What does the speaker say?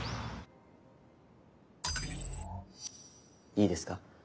いいですか？